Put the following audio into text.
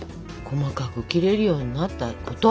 細かく切れるようになったこと。